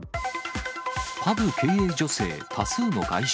パブ経営女性、多数の外傷。